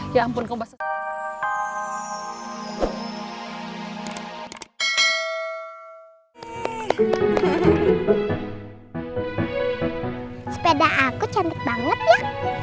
sepeda aku cantik banget ya